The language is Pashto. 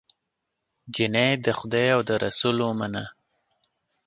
جینۍ د خدای او د رسول ومنه